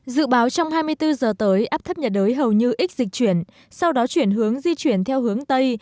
dự báo trong hai mươi bốn giờ tới áp thấp nhiệt đới hầu như ít dịch chuyển sau đó chuyển hướng di chuyển theo hướng tây